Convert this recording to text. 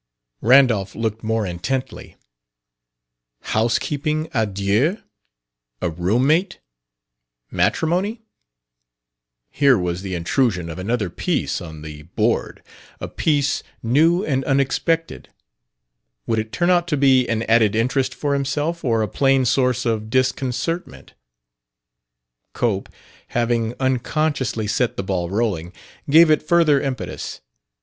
Randolph looked more intently. Housekeeping à deux? A roommate? Matrimony? Here was the intrusion of another piece on the board a piece new and unexpected. Would it turn out to be an added interest for himself, or a plain source of disconcertment? Cope, having unconsciously set the ball rolling, gave it further impetus.